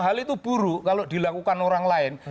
hal itu buruk kalau dilakukan orang lain